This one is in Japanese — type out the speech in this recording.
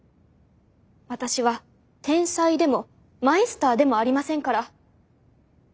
私は天才でもマイスターでもありませんから。